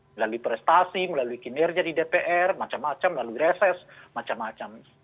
melalui prestasi melalui kinerja di dpr macam macam melalui reses macam macam